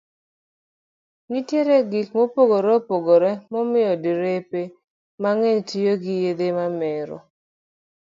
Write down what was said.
Nitie gik mopogore opogore mamiyo derepe mang'eny tiyo gi yedhe mamero.